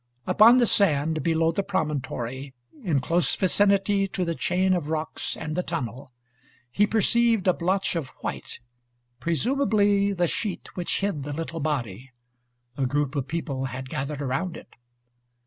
Upon the sand, below the promontory, in close vicinity to the chain of rocks and the tunnel, he perceived a blotch of white, presumably the sheet which hid the little body. A group of people had gathered around it.